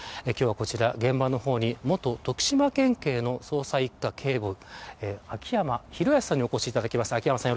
こちら現場の方に元徳島県警捜査一課警部秋山博康さんにお越しいただきました。